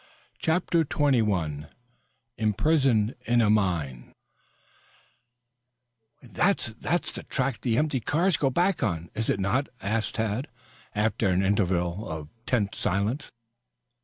CHAPTER XXI IMPRISONED IN A MINE "That that's the track that the empty cars go back on, is it not?" asked Tad, after an interval of tense silence.